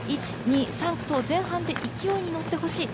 １、２、３区と前半で勢いに乗ってほしい。